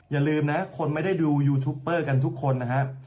อย่าลืมนะคนไม่ได้ดูยูทูปเปอร์กันทุกคนนะครับ